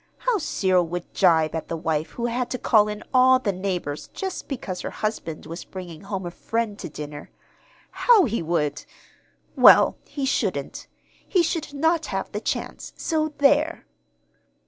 How Cyril would gibe at the wife who had to call in all the neighbors just because her husband was bringing home a friend to dinner! How he would Well, he shouldn't! He should not have the chance. So, there!